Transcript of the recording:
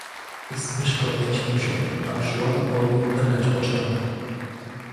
"Zbyszko roześmiał się, aż ława pod nim drgać poczęła."